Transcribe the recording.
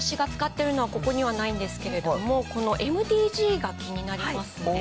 私が使っているのは、ここにはないんですけれども、このＭＴＧが気になりますね。